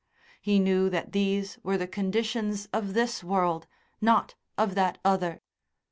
He knew that these were the conditions of this world, not of that other.